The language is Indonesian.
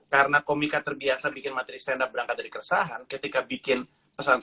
karena komika terbiasa bikin materi stand up berangkat dari keresahan ketika bikin keresahan